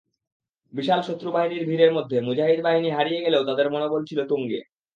বিশাল শত্রুবাহিনীর ভীড়ের মধ্যে মুজাহিদ বাহিনী হারিয়ে গেলেও তাদের মনোবল ছিল তুঙ্গে।